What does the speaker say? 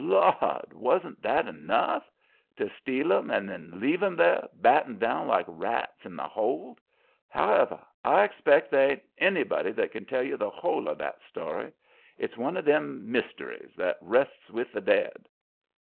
"Lord! Wan't that enough? To steal 'em, and then leave 'em there battened down like rats in the hold! However, I expect there ain't anybody that can tell you the whole of that story. It's one of them mysteries that rests with the dead.